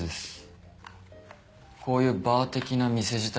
こういうバー的な店自体